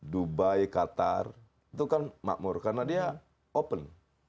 dubai qatar itu kan makmur karena dia open